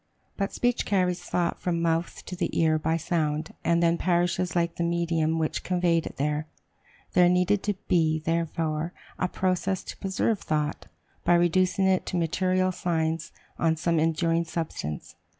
But speech carries thought from the mouth to the ear by sound, and then perishes like the medium which conveyed it there. There needed to be, therefore, a process to preserve thought, by reducing it to material signs on some enduring substance.